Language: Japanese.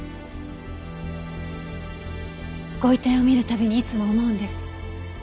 ご遺体を見る度にいつも思うんです。